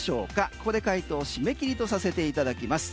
ここで回答を締め切りとさせていただきます。